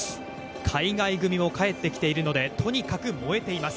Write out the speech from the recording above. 海外組も帰ってきているので、とにかく燃えています。